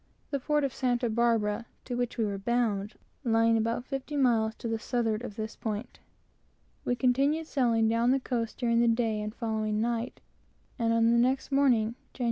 The port of Santa Barbara, to which we were bound, lying about sixty miles to the southward of this point, we continued sailing down the coast during the day and following night, and on the next morning, Jan.